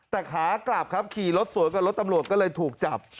แต่ขากลับครับขี่รถสวนกับรถตำรวจก็เลยถูกจับ